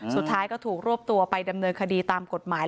สุดท้ายก็ถูกรวบตัวไปดำเนินคดีตามกฎหมาย